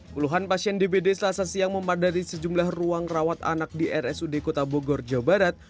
puluhan pasien dbd selasa siang memadari sejumlah ruang rawat anak di rsud kota bogor jawa barat